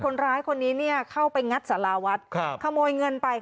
คนร้ายคนนี้เข้าไปงัดศราวัฒ่าขโมยเงินไป